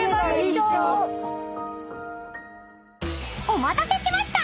［お待たせしました！